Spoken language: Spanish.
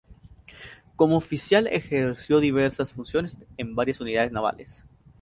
Como oficial ejerció diversas funciones en varias unidades navales.